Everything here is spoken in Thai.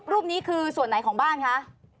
รูปนี้คือส่วนไหนของบ้านคะ